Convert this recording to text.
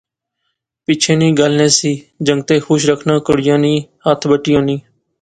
پچھے نی گل نہسی، جنگتے خوش رکھنا کڑیا نی ہتھ بٹی ہونی